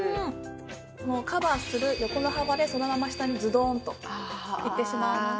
カバーする横の幅でそのまま下にズドーンといってしまうので。